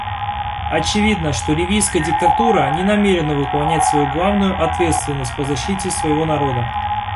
Очевидно, что ливийская диктатура не намерена выполнять свою главную ответственность по защите своего народа.